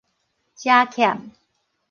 賒欠